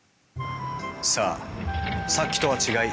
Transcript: さあさっきとは違い